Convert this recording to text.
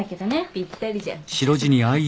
ぴったりじゃん。